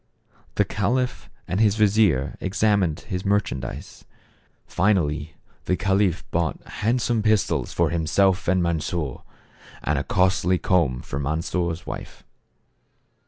The caliph and his vizier examined his merchan dise. Finally the caliph bought handsome pistols for himself and Mansof, and a costly comb for Mans or' s wife.